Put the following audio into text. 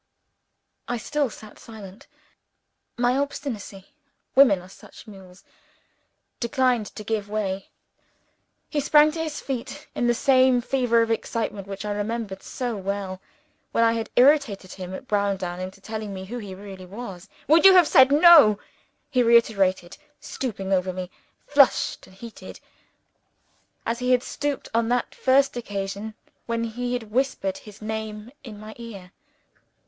I still sat silent. My obstinacy women are such mules! declined to give way, even when my conscience told me that he was right. He sprang to his feet, in the same fever of excitement which I remembered so well, when I had irritated him at Browndown into telling me who he really was. "Would you have said, No?" he reiterated, stooping over me, flushed and heated, as he had stooped on that first occasion, when he had whispered his name in my ear.